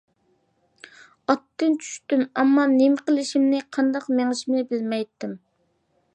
ئاتتىن چۈشتۈم، ئەمما نېمە قىلىشىمنى، قانداق مېڭىشىمنى بىلمەيتتىم.